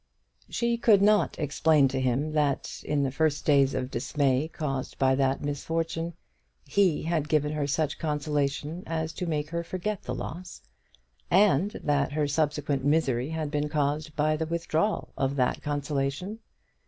She could not explain to him that, in the first days of dismay caused by that misfortune, he had given her such consolation as to make her forget her loss, and that her subsequent misery had been caused by the withdrawal of that consolation.